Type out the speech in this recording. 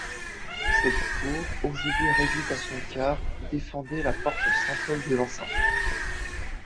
Cette tour, aujourd'hui réduite à son quart, défendait la porte Saint-Paul de l'enceinte.